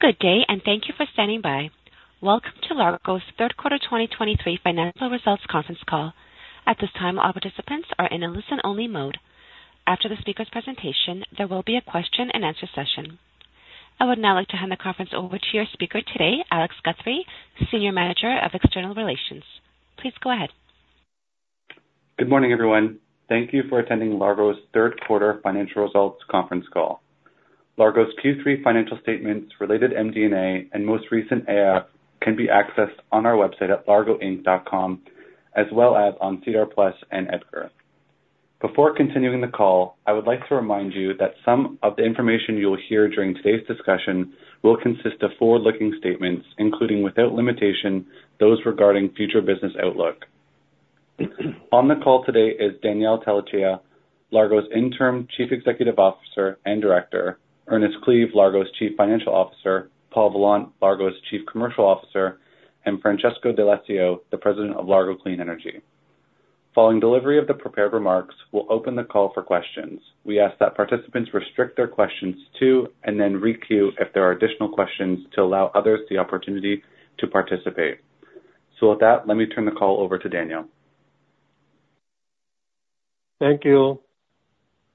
Good day, and thank you for standing by. Welcome to Largo's third quarter 2023 financial results conference call. At this time, all participants are in a listen-only mode. After the speaker's presentation, there will be a question-and-answer session. I would now like to hand the conference over to your speaker today, Alex Guthrie, Senior Manager of External Relations. Please go ahead. Good morning, everyone. Thank you for attending Largo's third quarter financial results conference call. Largo's Q3 financial statements related MD&A and most recent AIF can be accessed on our website at largoinc.com, as well as on SEDAR+ and EDGAR. Before continuing the call, I would like to remind you that some of the information you will hear during today's discussion will consist of forward-looking statements, including, without limitation, those regarding future business outlook. On the call today is Daniel Tellechea, Largo's Interim Chief Executive Officer and Director, Ernest Cleave, Largo's Chief Financial Officer, Paul Vollant, Largo's Chief Commercial Officer, and Francesco D'Alessio, the President of Largo Clean Energy. Following delivery of the prepared remarks, we'll open the call for questions. We ask that participants restrict their questions to, and then requeue if there are additional questions, to allow others the opportunity to participate. With that, let me turn the call over to Daniel. Thank you.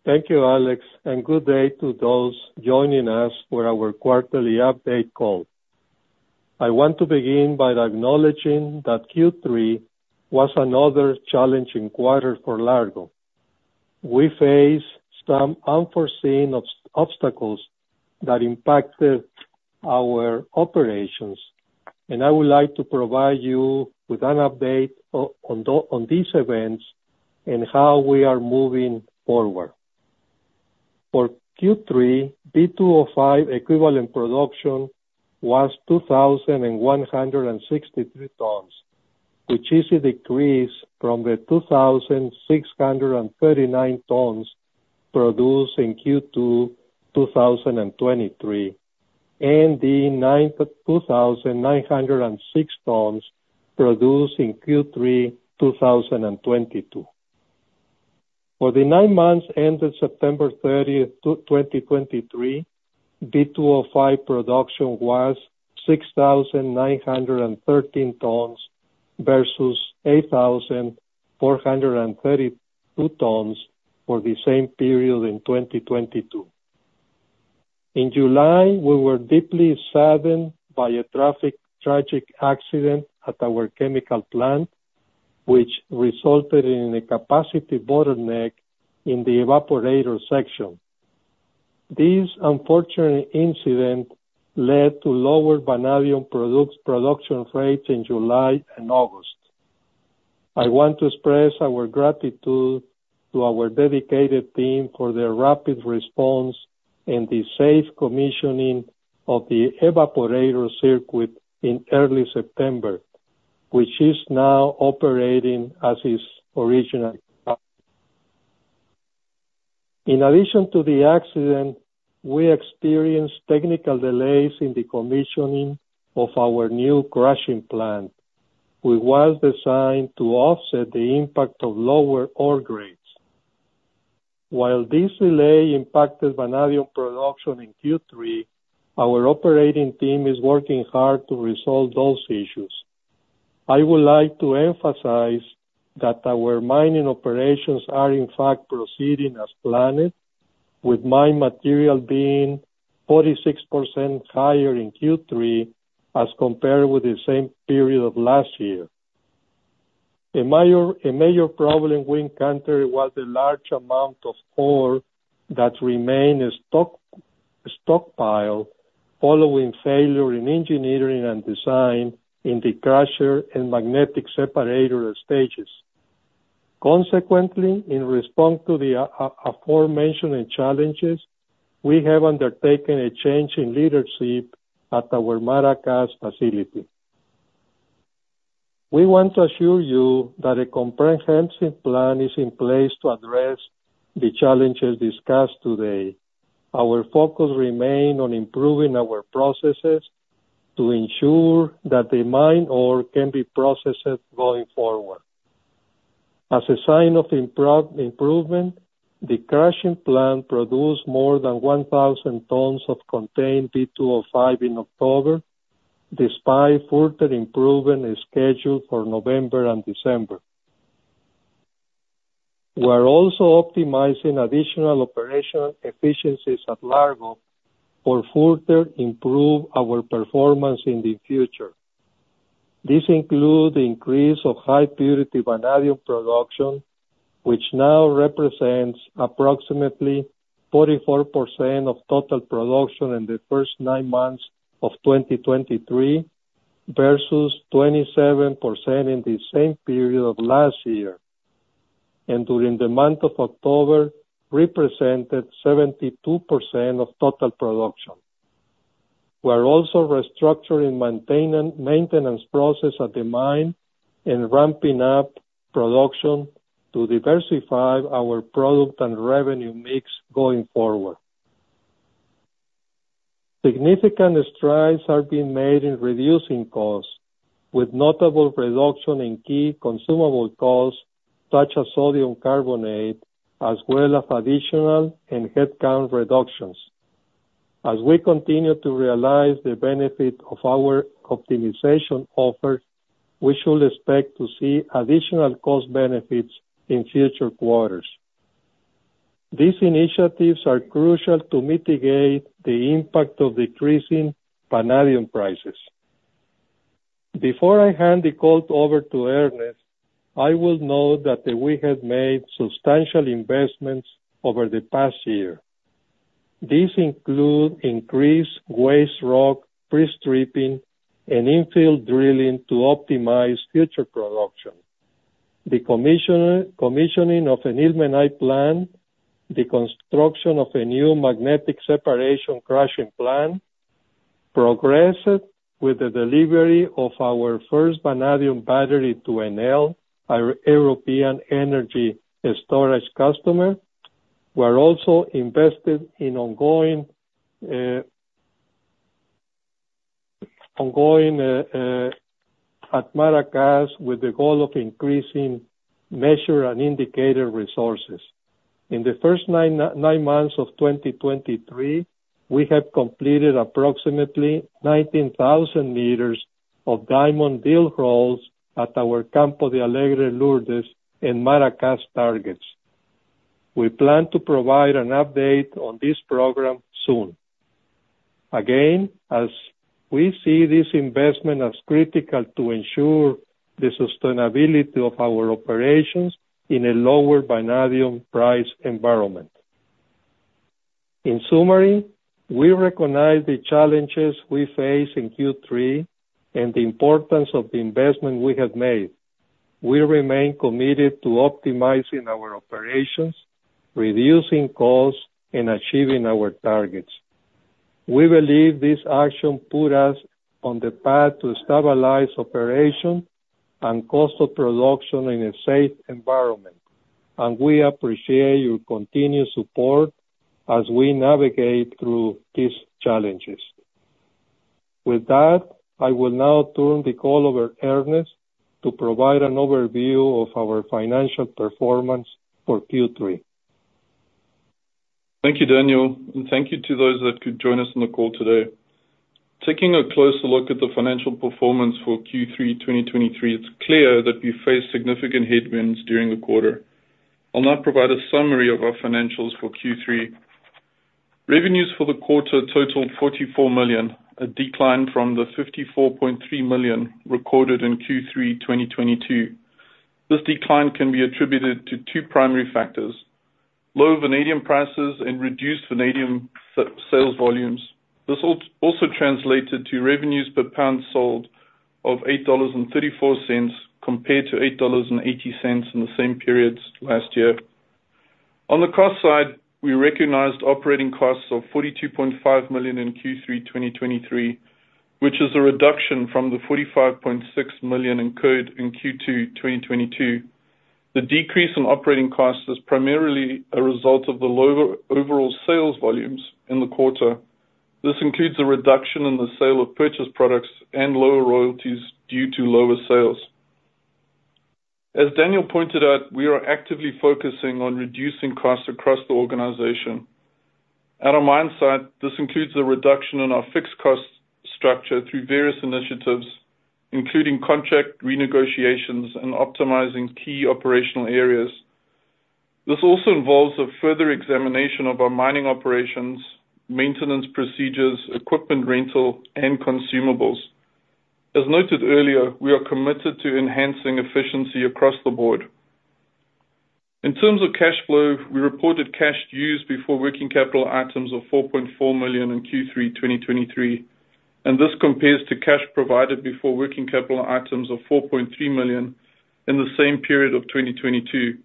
Thank you, Alex, and good day to those joining us for our quarterly update call. I want to begin by acknowledging that Q3 was another challenging quarter for Largo. We faced some unforeseen obstacles that impacted our operations, and I would like to provide you with an update on these events and how we are moving forward. For Q3, V2O5 equivalent production was 2,163 tons, which is a decrease from the 2,639 tons produced in Q2, 2023, and the 2,906 tons produced in Q3, 2022. For the nine months ended September 30, 2023, V2O5 production was 6,913 tons versus 8,432 tons for the same period in 2022. In July, we were deeply saddened by a tragic traffic accident at our chemical plant, which resulted in a capacity bottleneck in the evaporator section. This unfortunate incident led to lower vanadium production rates in July and August. I want to express our gratitude to our dedicated team for their rapid response and the safe commissioning of the evaporator circuit in early September, which is now operating as originally. In addition to the accident, we experienced technical delays in the commissioning of our new crushing plant, which was designed to offset the impact of lower ore grades. While this delay impacted vanadium production in Q3, our operating team is working hard to resolve those issues. I would like to emphasize that our mining operations are in fact proceeding as planned, with mine material being 46% higher in Q3 as compared with the same period of last year. A major problem we encountered was the large amount of ore that remained a stockpile following failure in engineering and design in the crusher and magnetic separator stages. Consequently, in response to the aforementioned challenges, we have undertaken a change in leadership at our Maracás facility. We want to assure you that a comprehensive plan is in place to address the challenges discussed today. Our focus remain on improving our processes to ensure that the mine ore can be processed going forward. As a sign of improvement, the crushing plant produced more than 1,000 tons of contained V2O5 in October, despite further improvement is scheduled for November and December. We're also optimizing additional operational efficiencies at Largo to further improve our performance in the future. This includes the increase of high-purity vanadium production, which now represents approximately 44% of total production in the first nine months of 2023, versus 27% in the same period of last year, and during the month of October, represented 72% of total production. We are also restructuring maintenance process at the mine and ramping up production to diversify our product and revenue mix going forward. Significant strides are being made in reducing costs, with notable reduction in key consumable costs, such as sodium carbonate, as well as additional headcount reductions. As we continue to realize the benefit of our optimization effort, we should expect to see additional cost benefits in future quarters. These initiatives are crucial to mitigate the impact of decreasing vanadium prices. Before I hand the call over to Ernest, I will note that we have made substantial investments over the past year. These include increased waste rock pre-stripping and infill drilling to optimize future production. The commissioning of an ilmenite plant, the construction of a new magnetic separation crushing plant, progressed with the delivery of our first vanadium battery to Enel, our European energy storage customer. We're also invested in ongoing drilling at Maracás, with the goal of increasing Measure and Indicator resources. In the first 9 months of 2023, we have completed approximately 19,000 meters of diamond drill holes at our Campo Alegre de Lourdes and Maracás targets. We plan to provide an update on this program soon. Again, as we see this investment as critical to ensure the sustainability of our operations in a lower vanadium price environment. In summary, we recognize the challenges we face in Q3 and the importance of the investment we have made. We remain committed to optimizing our operations, reducing costs, and achieving our targets. We believe this action put us on the path to stabilize operation and cost of production in a safe environment, and we appreciate your continued support as we navigate through these challenges. With that, I will now turn the call over to Ernest to provide an overview of our financial performance for Q3. Thank you, Daniel, and thank you to those that could join us on the call today. Taking a closer look at the financial performance for Q3 2023, it's clear that we faced significant headwinds during the quarter. I'll now provide a summary of our financials for Q3. Revenues for the quarter totaled $44 million, a decline from the $54.3 million recorded in Q3 2022. This decline can be attributed to two primary factors: low vanadium prices and reduced vanadium sales volumes. This also translated to revenues per pound sold of $8.34, compared to $8.80 in the same periods last year. On the cost side, we recognized operating costs of $42.5 million in Q3 2023, which is a reduction from the $45.6 million incurred in Q2 2022. The decrease in operating costs is primarily a result of the lower overall sales volumes in the quarter. This includes a reduction in the sale of purchased products and lower royalties due to lower sales. As Daniel pointed out, we are actively focusing on reducing costs across the organization. At our mine site, this includes a reduction in our fixed cost structure through various initiatives, including contract renegotiations and optimizing key operational areas. This also involves a further examination of our mining operations, maintenance procedures, equipment rental, and consumables. As noted earlier, we are committed to enhancing efficiency across the board. In terms of cash flow, we reported cash used before working capital items of $4.4 million in Q3 2023, and this compares to cash provided before working capital items of $4.3 million in the same period of 2022.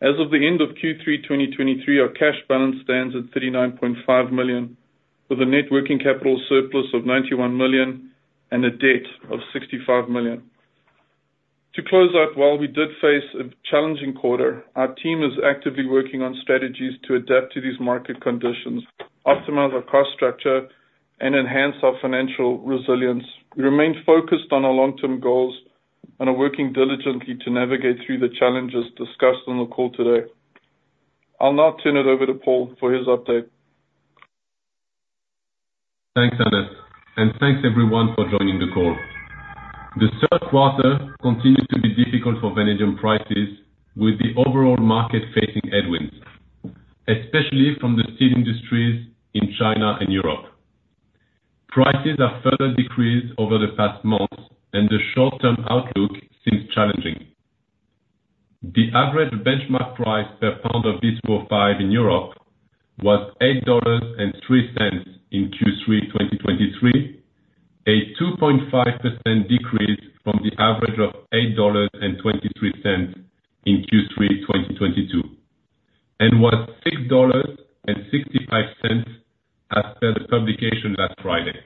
As of the end of Q3, 2023, our cash balance stands at $39.5 million, with a net working capital surplus of $91 million and a debt of $65 million. To close out, while we did face a challenging quarter, our team is actively working on strategies to adapt to these market conditions, optimize our cost structure, and enhance our financial resilience. We remain focused on our long-term goals and are working diligently to navigate through the challenges discussed on the call today. I'll now turn it over to Paul for his update. Thanks, Ernest, and thanks everyone for joining the call. The third quarter continued to be difficult for vanadium prices, with the overall market facing headwinds, especially from the steel industries in China and Europe. Prices have further decreased over the past months, and the short-term outlook seems challenging. The average benchmark price per pound of V2O5 in Europe was $8.03 in Q3 2023, a 2.5% decrease from the average of $8.23 in Q3 2022, and was $6.65 as per the publication last Friday.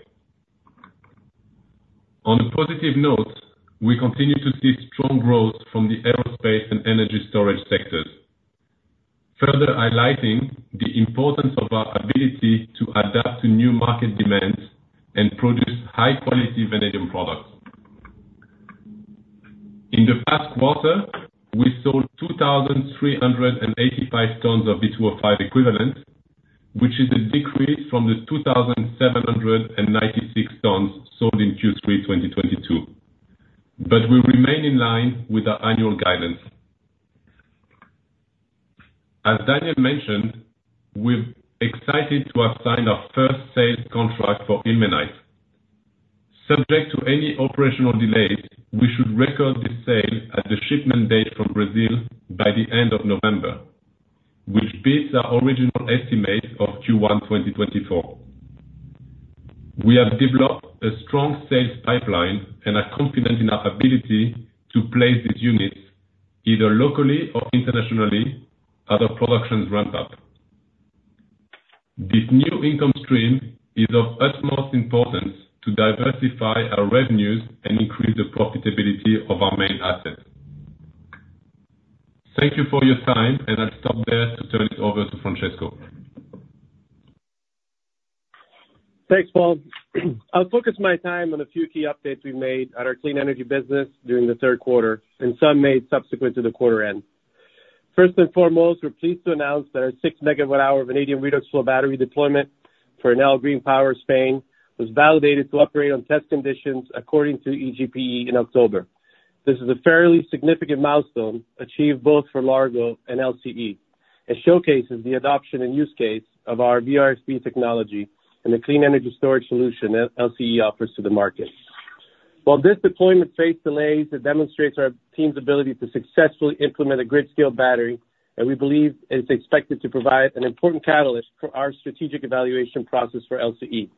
On a positive note, we continue to see strong growth from the aerospace and energy storage sectors.... further highlighting the importance of our ability to adapt to new market demands and produce high quality vanadium products. In the past quarter, we sold 2,385 tons of V2O5 equivalent, which is a decrease from the 2,796 tons sold in Q3 2022, but we remain in line with our annual guidance. As Daniel mentioned, we're excited to have signed our first sales contract for ilmenite. Subject to any operational delays, we should record this sale at the shipment date from Brazil by the end of November, which beats our original estimate of Q1 2024. We have developed a strong sales pipeline and are confident in our ability to place these units, either locally or internationally, as our productions ramp up. This new income stream is of utmost importance to diversify our revenues and increase the profitability of our main assets. Thank you for your time, and I'll stop there to turn it over to Francesco. Thanks, Paul. I'll focus my time on a few key updates we've made at our clean energy business during the third quarter and some made subsequent to the quarter end. First and foremost, we're pleased to announce that our 6 MWh vanadium redox flow battery deployment for Enel Green Power España was validated to operate on test conditions according to EGPE in October. This is a fairly significant milestone achieved both for Largo and LCE, and showcases the adoption and use case of our VRFB technology and the clean energy storage solution that LCE offers to the market. While this deployment faced delays, it demonstrates our team's ability to successfully implement a grid scale battery, and we believe is expected to provide an important catalyst for our strategic evaluation process for LCE.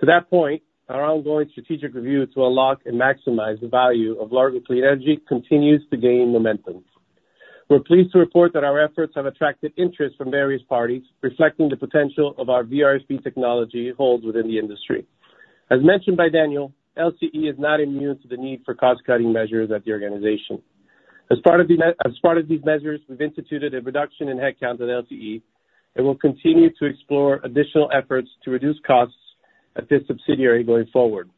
To that point, our ongoing strategic review to unlock and maximize the value of Largo Clean Energy continues to gain momentum. We're pleased to report that our efforts have attracted interest from various parties, reflecting the potential of our VRFB technology holds within the industry. As mentioned by Daniel, LCE is not immune to the need for cost-cutting measures at the organization. As part of these measures, we've instituted a reduction in headcount at LCE and will continue to explore additional efforts to reduce costs at this subsidiary going forward.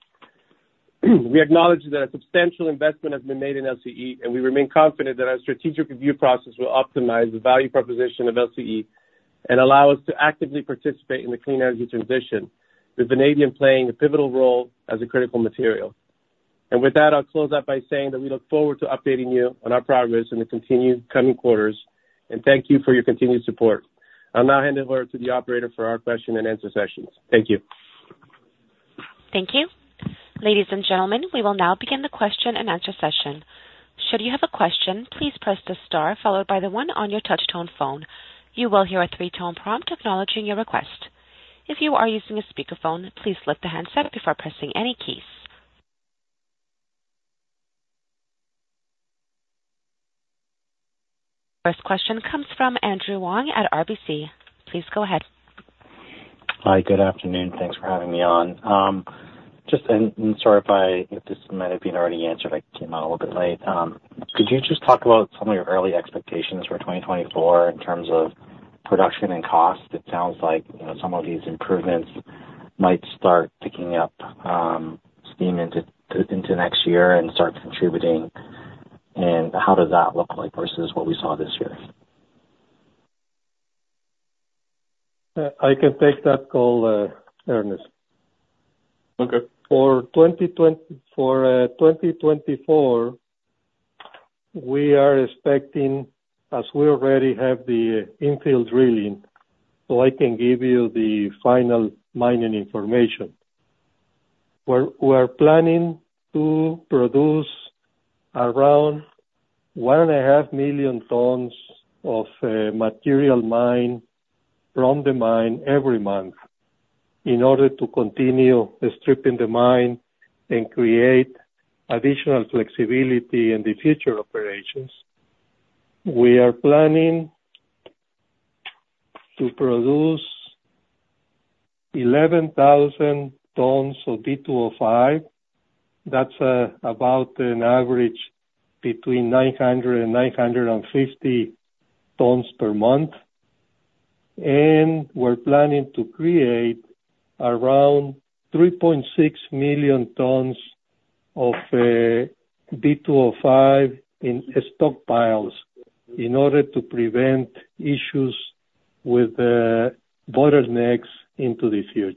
We acknowledge that a substantial investment has been made in LCE, and we remain confident that our strategic review process will optimize the value proposition of LCE and allow us to actively participate in the clean energy transition, with vanadium playing a pivotal role as a critical material. With that, I'll close out by saying that we look forward to updating you on our progress in the continued coming quarters, and thank you for your continued support. I'll now hand it over to the operator for our question and answer sessions. Thank you. Thank you. Ladies and gentlemen, we will now begin the question and answer session. Should you have a question, please press the star followed by the one on your touch tone phone. You will hear a three-tone prompt acknowledging your request. If you are using a speakerphone, please lift the handset before pressing any keys. First question comes from Andrew Wong at RBC. Please go ahead. Hi, good afternoon. Thanks for having me on. Just and sorry if this might have been already answered, I came on a little bit late. Could you just talk about some of your early expectations for 2024 in terms of production and cost? It sounds like some of these improvements might start picking up steam into next year and start contributing, and how does that look like versus what we saw this year? I can take that call, Ernest. Okay. For 2024, we are expecting, as we already have the infill drilling, so I can give you the final mining information. We are planning to produce around 1.5 million tons of mined material from the mine every month in order to continue stripping the mine and create additional flexibility in the future operations. We are planning to produce 11,000 tons of V2O5. That's about an average between 900 and 950 tons per month. And we're planning to create around 3.6 million tons of V2O5 in stockpiles in order to prevent issues with bottlenecks into the future.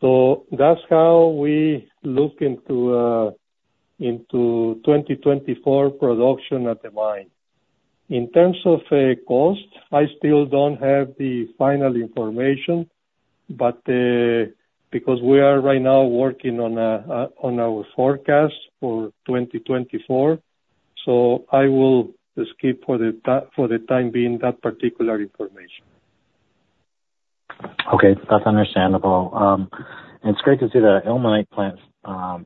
So that's how we look into 2024 production at the mine. In terms of cost, I still don't have the final information, but because we are right now working on our forecast for 2024, so I will skip for the time being that particular information. Okay. That's understandable. And it's great to see the ilmenite plant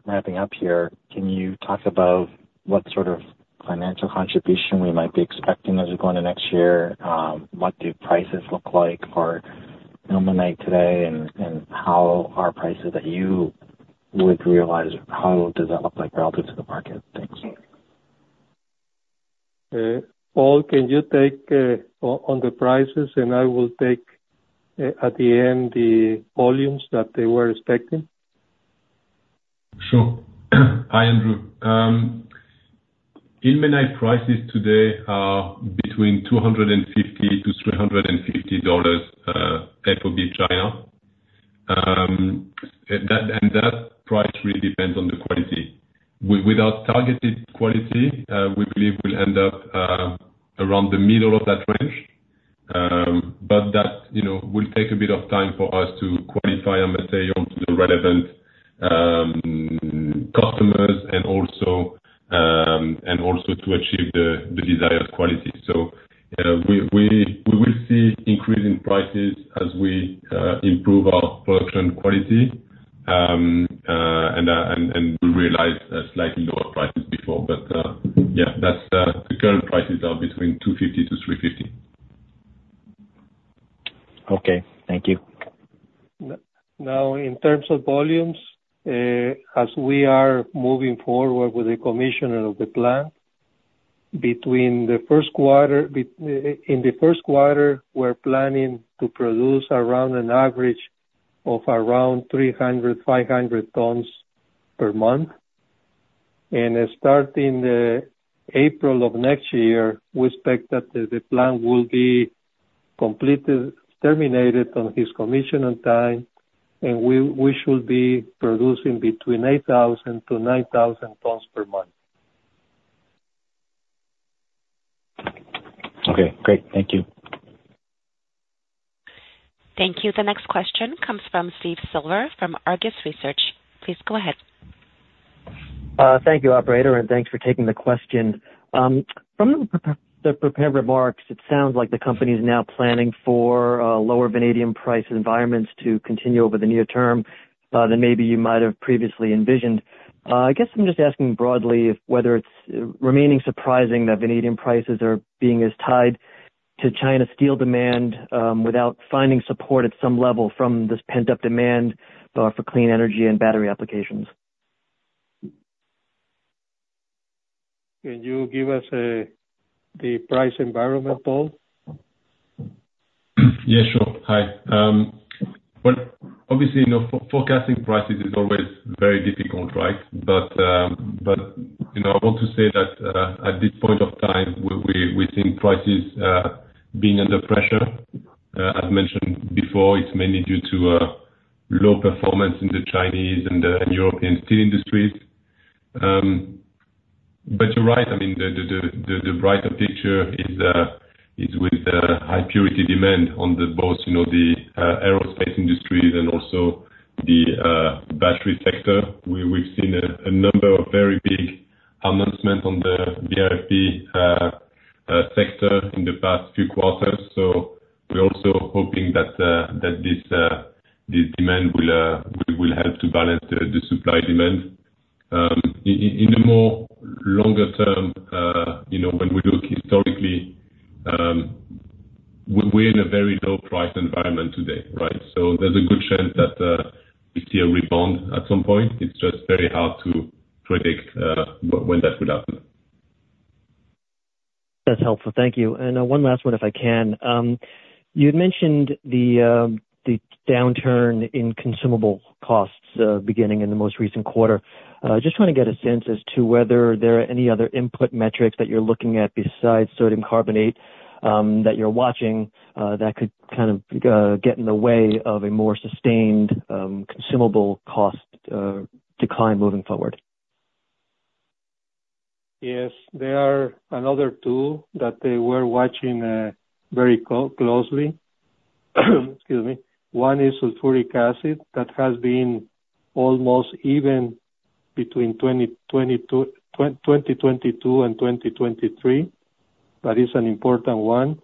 ramping up here. Can you talk about what sort of financial contribution we might be expecting as we go into next year? What do prices look like for ilmenite today, and how are prices that you realize, how does that look like relative to the market? Thanks. Paul, can you take on the prices, and I will take, at the end, the volumes that they were expecting? Sure. Hi, Andrew. Ilmenite prices today are between $250-$350 FOB China. And that price really depends on the quality. Without targeted quality, we believe we'll end up around the middle of that range. But that will take a bit of time for us to qualify, I must say, onto the relevant customers and also to achieve the desired quality. So, we will see increasing prices as we improve our production quality. And we realize a slightly lower prices before, but yeah, that's the current prices are between $250-$350. Okay, thank you. Now, in terms of volumes, as we are moving forward with the commissioning of the plant, between the first quarter, in the first quarter, we're planning to produce around an average of around 300-500 tons per month. And starting April of next year, we expect that the plan will be completely terminated on its commissioning time, and we should be producing between 8,000-9,000 tons per month. Okay, great. Thank you. Thank you. The next question comes from Steve Silver, from Argus Research. Please go ahead. Thank you, operator, and thanks for taking the question. From the prepared remarks, it sounds like the company is now planning for lower vanadium price environments to continue over the near term than maybe you might have previously envisioned. I guess I'm just asking broadly if whether it's remaining surprising that vanadium prices are being as tied to China's steel demand without finding support at some level from this pent-up demand for clean energy and battery applications? Can you give us, the price environment, Paul? Yeah, sure. Hi. Well, obviously forecasting prices is always very difficult, right? But, but I want to say that, at this point of time, we think prices being under pressure, as mentioned before, it's mainly due to, low performance in the Chinese and, European steel industries. But you're right, I mean, the brighter picture is, is with, high purity demand on the both the, aerospace industries and also the, battery sector. We've seen a number of very big announcements on the VRFB, sector in the past few quarters, so we're also hoping that, that this, this demand will, will, will help to balance the, the supply-demand. In the more longer term when we look historically, we're in a very low price environment today, right? So there's a good chance that we see a rebound at some point. It's just very hard to predict when that would happen. That's helpful. Thank you. And, one last one, if I can. You'd mentioned the downturn in consumable costs, beginning in the most recent quarter. Just want to get a sense as to whether there are any other input metrics that you're looking at besides sodium carbonate, that you're watching, that could kind of get in the way of a more sustained consumable cost decline moving forward? Yes, there are another two that they were watching very closely. Excuse me. One is sulfuric acid, that has been almost even between 2022 and 2023. That is an important one.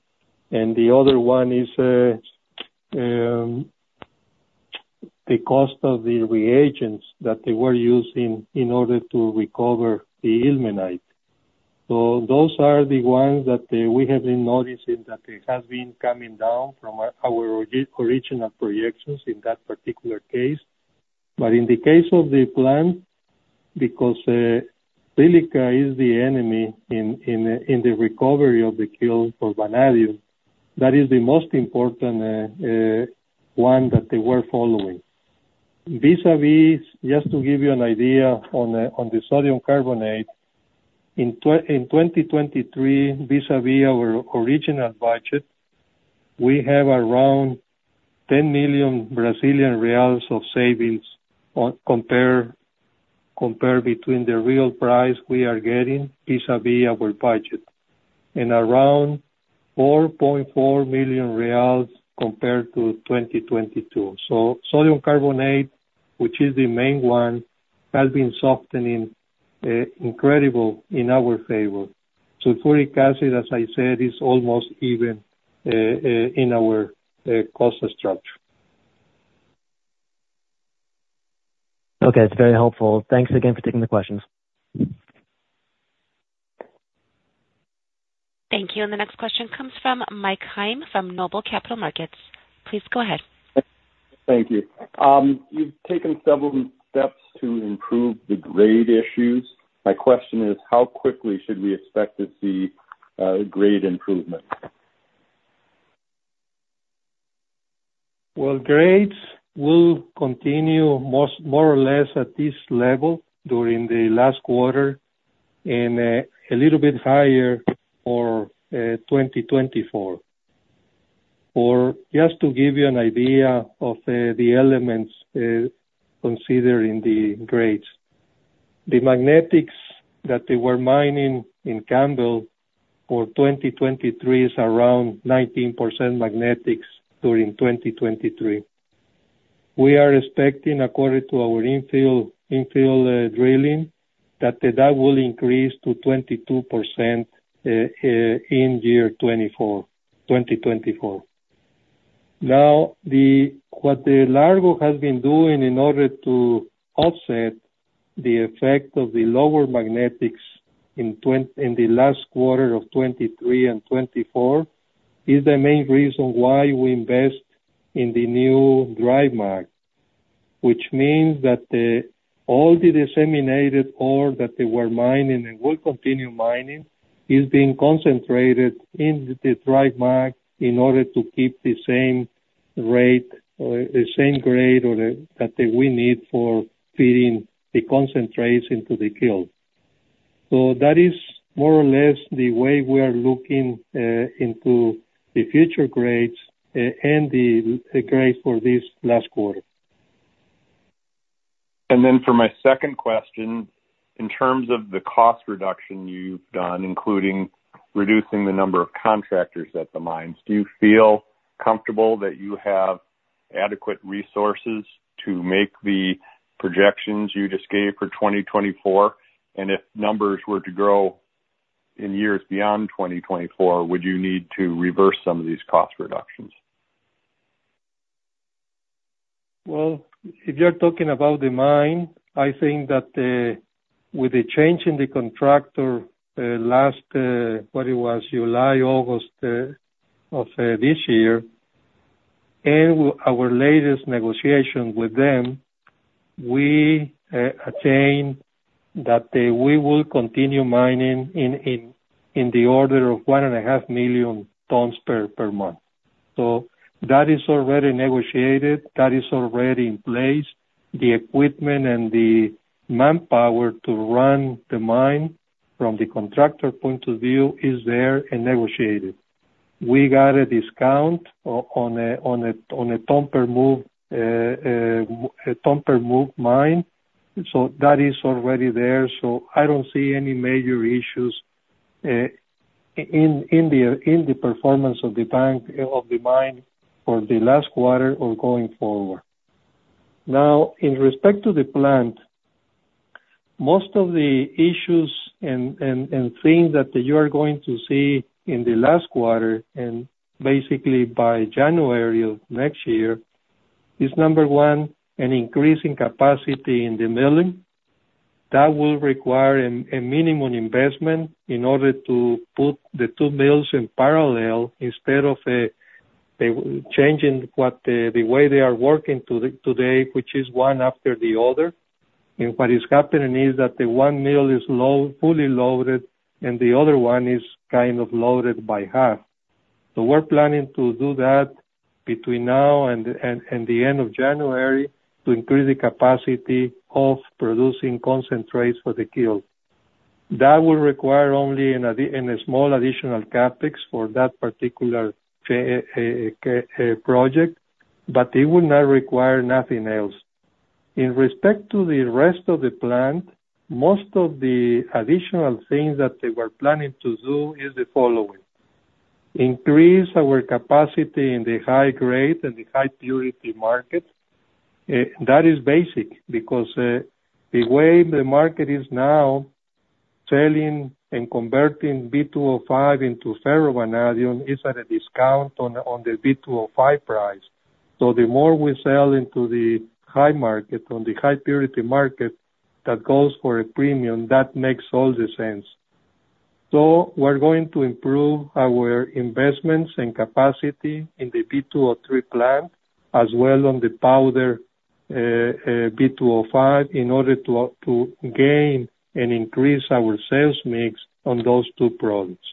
The other one is the cost of the reagents that they were using in order to recover the ilmenite. Those are the ones that we have been noticing that it has been coming down from our original projections in that particular case. But in the case of the plant, because silica is the enemy in the recovery of the kiln for vanadium, that is the most important one that they were following. Vis-à-vis, just to give you an idea on the sodium carbonate, in 2023, vis-à-vis our original budget, we have around 10 million Brazilian reais of savings on comparison between the real price we are getting vis-à-vis our budget, and around 4.4 million reais compared to 2022. So sodium carbonate, which is the main one, has been softening incredibly in our favor. Sulfuric acid, as I said, is almost even in our cost structure. Okay, it's very helpful. Thanks again for taking the questions. Thank you. And the next question comes from Mike Heim, from Noble Capital Markets. Please go ahead. Thank you. You've taken several steps to improve the grade issues. My question is how quickly should we expect to see grade improvement? Well, grades will continue more or less at this level during the last quarter and a little bit higher for 2024. Or just to give you an idea of the elements considered in the grades, the magnetics that they were mining in Campbell for 2023 is around 19% magnetics during 2023. We are expecting, according to our infill drilling, that will increase to 22% in year 2024. Now, what Largo has been doing in order to offset the effect of the lower magnetics in the last quarter of 2023 and 2024, is the main reason why we invest in the new Dry Mag, which means that all the disseminated ore that they were mining and will continue mining is being concentrated in the Dry Mag in order to keep the same rate or the same grade or that we need for feeding the concentrates into the kiln. So that is more or less the way we are looking into the future grades and the grades for this last quarter. And then for my second question, in terms of the cost reduction you've done, including reducing the number of contractors at the mines, do you feel comfortable that you have adequate resources to make the projections you just gave for 2024? And if numbers were to grow in years beyond 2024, would you need to reverse some of these cost reductions? Well, if you're talking about the mine, I think that with the change in the contractor last, what it was, July, August of this year, and our latest negotiation with them, we attain that we will continue mining in the order of 1.5 million tons per month. So that is already negotiated. That is already in place. The equipment and the manpower to run the mine from the contractor point of view is there and negotiated. We got a discount on a ton per move mine. So that is already there, so I don't see any major issues in the performance of the mine for the last quarter or going forward. Now, in respect to the plant, most of the issues and things that you are going to see in the last quarter, and basically by January of next year, is number one, an increase in capacity in the milling. That will require a minimum investment in order to put the two mills in parallel instead of changing the way they are working today, which is one after the other. And what is happening is that the one mill is fully loaded and the other one is kind of loaded by half. So we're planning to do that between now and the end of January to increase the capacity of producing concentrates for the kiln. That will require only an addition, a small additional CapEx for that particular project, but it will not require nothing else. In respect to the rest of the plant, most of the additional things that they were planning to do is the following: increase our capacity in the high grade and the high purity market. That is basic because the way the market is now, selling and converting V2O5 into ferrovanadium is at a discount on the V2O5 price. So the more we sell into the high market, on the high purity market, that goes for a premium, that makes all the sense. So we're going to improve our investments and capacity in the V2O3 plant, as well on the powder V2O5, in order to gain and increase our sales mix on those two products.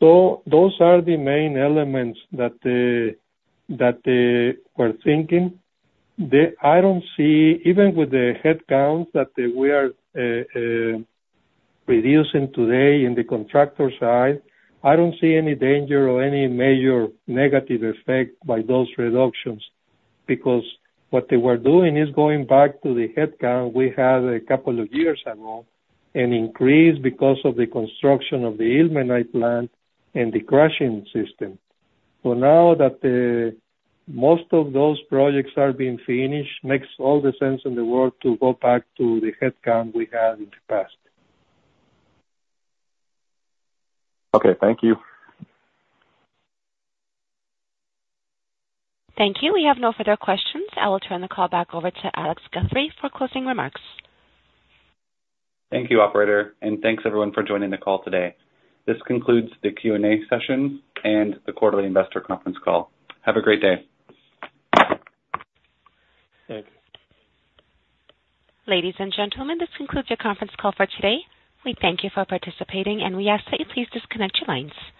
So those are the main elements that we're thinking. I don't see, even with the headcount that we are reducing today in the contractor side, I don't see any danger or any major negative effect by those reductions, because what they were doing is going back to the headcount we had a couple of years ago and increased because of the construction of the ilmenite plant and the crushing system. So now that most of those projects are being finished, makes all the sense in the world to go back to the headcount we had in the past. Okay, thank you. Thank you. We have no further questions. I will turn the call back over to Alex Guthrie for closing remarks. Thank you, operator, and thanks everyone for joining the call today. This concludes the Q&A session and the quarterly investor conference call. Have a great day. Thank you. Ladies and gentlemen, this concludes your conference call for today. We thank you for participating, and we ask that you please disconnect your lines.